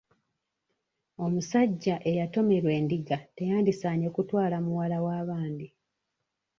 Omusajja eyatomerwa endiga teyandisaanye kutwala muwala wa bandi.